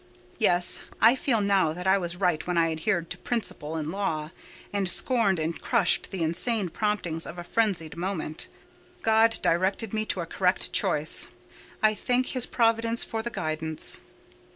Yes; I feel now that I was right when I adhered to principle and law, and scorned and crushed the insane promptings of a frenzied moment. God directed me to a correct choice: I thank His providence for the guidance!